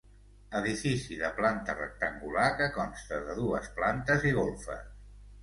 Edifici de planta rectangular que consta de dues plantes i golfes.